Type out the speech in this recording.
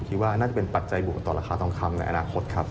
คิดว่าน่าจะเป็นปัจจัยบวกต่อราคาทองคำในอนาคตครับ